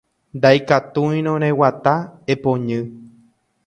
Ndaikatúirõ reguata, epoñy